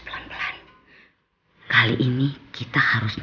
kita ke luar pangunkan